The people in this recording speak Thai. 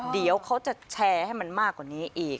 เดี๋ยวเขาจะแชร์ให้มันมากกว่านี้อีก